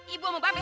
ibu sama babe